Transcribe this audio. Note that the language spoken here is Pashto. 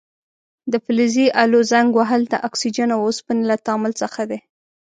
د فلزي الو زنګ وهل د اکسیجن او اوسپنې له تعامل څخه دی.